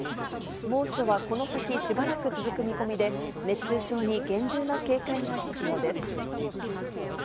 猛暑はこの先しばらく続く見込みで、熱中症に厳重な警戒が必要です。